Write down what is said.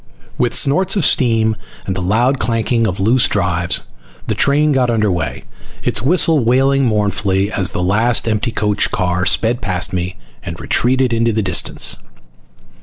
With snorts of steam and the loud clanking of loose drives, the train got under way again, its whistle wailing mournfully as the last empty coach car sped past me and retreated into the distance.